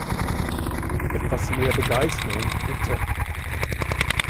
Etwas mehr Begeisterung, bitte!